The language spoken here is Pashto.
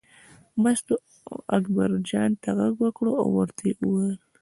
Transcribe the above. مستو اکبرجان ته غږ وکړ او ورته یې وویل.